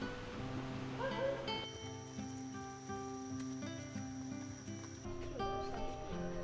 akan terus nemenin kakak pak sampai akhir hayat